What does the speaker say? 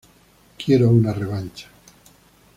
Quiero una revancha.".